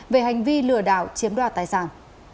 về hành vi lừa đảo chiếm đoạt tài sản